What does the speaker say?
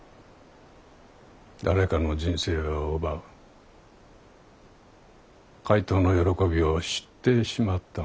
誰かの人生を奪う怪盗の喜びを知ってしまった者。